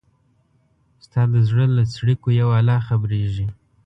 ستا د زړه له څړیکو یو الله خبریږي